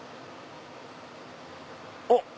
あっ！